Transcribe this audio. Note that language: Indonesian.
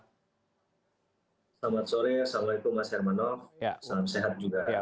selamat sore assalamualaikum mas hermanoff selamat sehat juga